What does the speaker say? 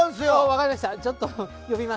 分かりました。